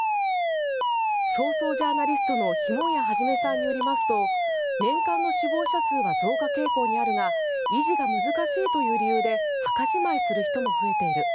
葬送ジャーナリストの碑文谷創さんによりますと年間の死亡者数は増加傾向にあるが維持が難しいという理由で墓じまいする人も増えている